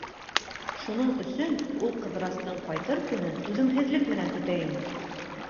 Шуның өсөн ул Ҡыҙырастың ҡайтыр көнөн түҙемһеҙлек менән көтә ине.